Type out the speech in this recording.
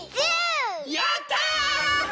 やった！